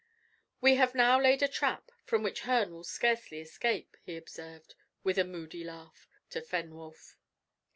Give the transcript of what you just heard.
"We have now laid a trap from which Herne will scarcely escape," he observed, with a moody laugh, to Fenwolf.